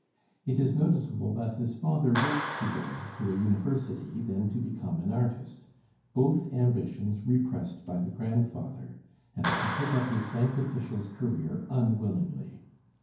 It is noticeable that his father wished to go to a university, then to become an artist both ambitions repressed by the grandfather; and that he took up his bank official's career unwillingly.